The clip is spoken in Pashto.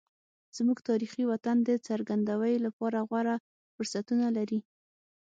زموږ تاریخي وطن د ګرځندوی لپاره غوره فرصتونه لري.